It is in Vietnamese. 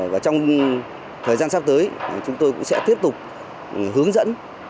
và trong thời gian sắp tới chúng tôi cũng sẽ tiếp tục hướng dẫn